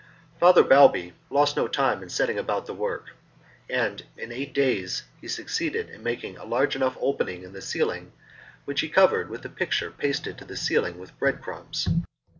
Father Balbi lost no time in setting about the work, and in eight days he succeeded in making a large enough opening in the ceiling, which he covered with a picture pasted to the ceiling with breadcrumbs.